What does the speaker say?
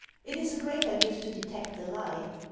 It is a greater gift to detect the lie.